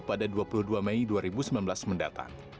pada dua puluh dua mei dua ribu sembilan belas mendatang